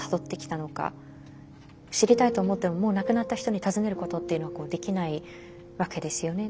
知りたいと思ってももう亡くなった人に尋ねることっていうのはできないわけですよね。